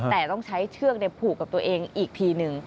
แต่ต้องใช้เชือกผูกกับตัวเองอีกทีหนึ่ง